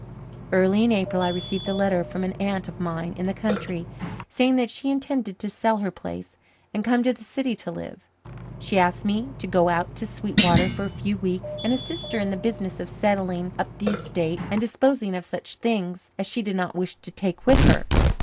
Early in April I received a letter from an aunt of mine in the country, saying that she intended to sell her place and come to the city to live. She asked me to go out to Sweetwater for a few weeks and assist her in the business of settling up the estate and disposing of such things as she did not wish to take with her.